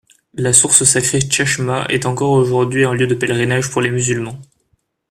La source sacrée Tchachma est encore aujourd’hui un lieu de pèlerinage pour les musulmans.